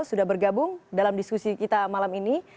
sudah bergabung dalam diskusi kita malam ini